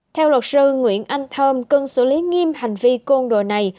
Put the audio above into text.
theo luật sư nguyễn anh thơm cần xử lý nghiêm hành vi côn đồ này